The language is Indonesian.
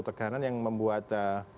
tekanan yang membuat